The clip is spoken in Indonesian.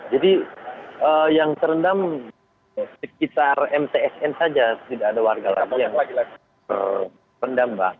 jadi yang terendam sekitar mtsn saja tidak ada warga lagi yang terendam pak